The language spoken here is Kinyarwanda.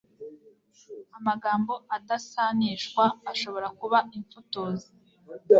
amagambo adasanishwa ashobora kuba imfutuzi